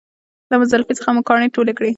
له مزدلفې څخه مو کاڼي ټول کړل.